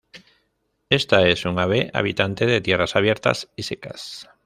Esta es un ave habitante de tierras abiertas y secas.